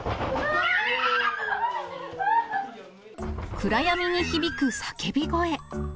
暗闇に響く叫び声。